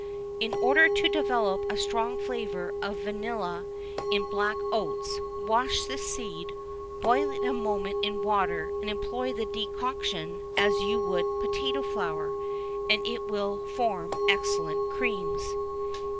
"In order to develop a strong flavour of vanille in black oats, wash this seed, boil it a moment in water, and employ the decoction as you would potato flour, and it will form excellent creams.